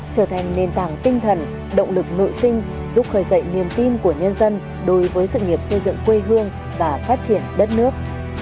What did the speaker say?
trở thành nền tảng tinh thần động lực nội sinh giúp khởi dậy niềm tin của nhân dân đối với sự nghiệp xây dựng quê hương và phát triển đất nước